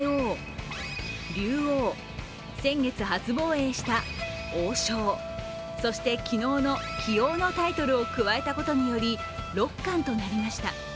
２０２０年の棋聖に始まり王位、叡王、竜王、先月初防衛した王将、そして、昨日の棋王のタイトルを加えたことにより六冠となりました。